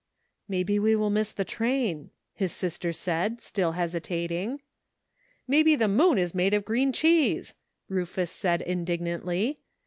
" "Maybe we will miss the train," his sister said, still hesitating. "Maybe the moon is made of green cheese," Rufus said indignantly.